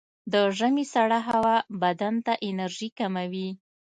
د ژمي سړه هوا بدن ته انرژي کموي.